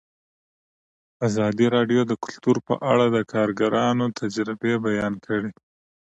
ازادي راډیو د کلتور په اړه د کارګرانو تجربې بیان کړي.